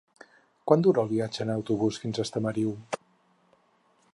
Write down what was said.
Quant dura el viatge en autobús fins a Estamariu?